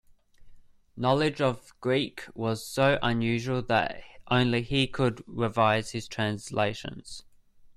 Knowledge of Greek was so unusual that only he could revise his translations.